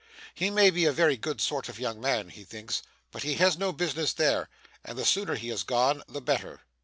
He may be a very good sort of young man, he thinks, but he has no business there, and the sooner he is gone, the better.